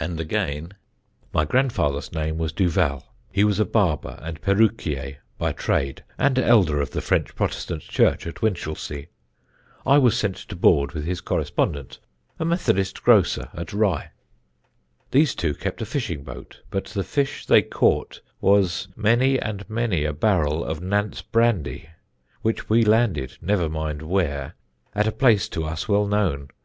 And again: [Sidenote: DENIS DUVAL'S BOYHOOD] "My grandfather's name was Duval; he was a barber and perruquier by trade, and elder of the French Protestant church at Winchelsea. I was sent to board with his correspondent, a Methodist grocer, at Rye. "These two kept a fishing boat, but the fish they caught was many and many a barrel of Nantz brandy, which we landed never mind where at a place to us well known.